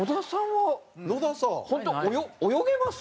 野田さんは本当泳げます？